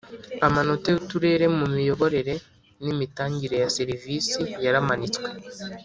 Amanota y uturere mu miyoborere n imitangire ya serivisi yaramanitswe